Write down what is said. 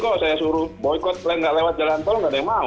kalau saya suruh boykot plan nggak lewat jalan tol nggak ada yang mau